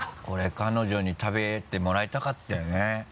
これ彼女に食べてもらいたかったよね。